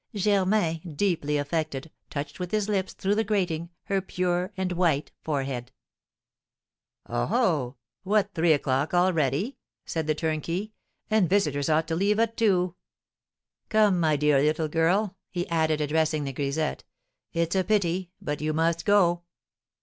Germain, deeply affected, touched with his lips through the grating her pure and white forehead. "Oh, oh! What, three o'clock already?" said the turnkey; "and visitors ought to leave at two! Come, my dear little girl," he added, addressing the grisette, "it's a pity, but you must go."